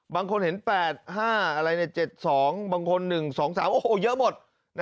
บางคนเห็น๘๕อะไร๗๒บางคน๑๒๓โอ้โหเยอะหมด